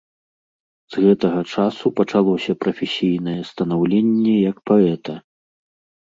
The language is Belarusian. З гэтага часу пачалося прафесійнае станаўленне як паэта.